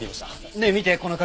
ねえ見てこの鍵